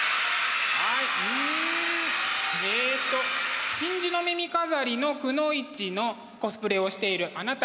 えっと「真珠の耳飾りのくノ一」のコスプレをしているあなた。